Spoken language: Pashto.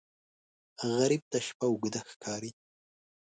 غریب ته شپه اوږده ښکاري